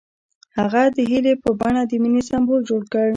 هغه د هیلې په بڼه د مینې سمبول جوړ کړ.